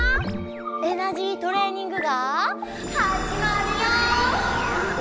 エナジートレーニングがはじまるよ！